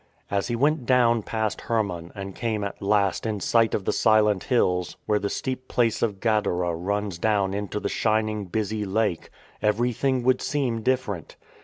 As he went down past Hermon and came at last in sight of the silent hills, where the steep place of Gadara runs down into the shining, busy Lake, everything would seem different.